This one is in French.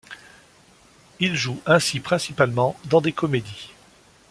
Il joue ainsi principalement dans des comédies.